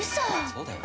そうだよ。